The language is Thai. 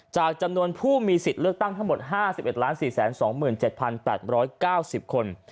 จำนวนผู้มีสิทธิ์เลือกตั้งทั้งหมด๕๑๔๒๗๘๙๐คน